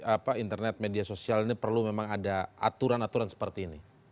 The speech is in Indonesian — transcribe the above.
atau ada yang di internet media sosial ini perlu memang ada aturan aturan seperti ini